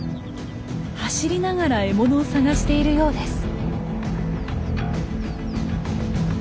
走りながら獲物を探しているようです。